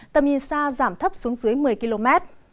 tầm nhìn xa giảm thấp xuống dưới một mươi km